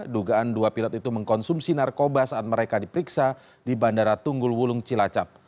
dugaan dua pilot itu mengkonsumsi narkoba saat mereka diperiksa di bandara tunggul wulung cilacap